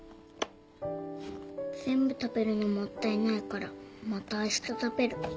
全部食べるのもったいないからまたあした食べる。